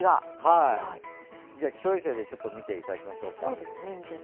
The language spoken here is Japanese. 気象衛星で見ていただきましょうか。